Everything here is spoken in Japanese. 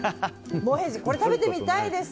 これ食べてみたいです！